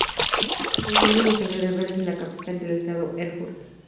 Se encuentra en los alrededores de la capital del estado, Erfurt.